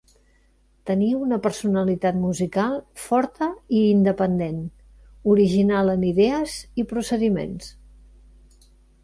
Tenia una personalitat musical forta i independent, original en idees i procediments.